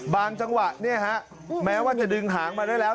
จังหวะเนี่ยฮะแม้ว่าจะดึงหางมาได้แล้ว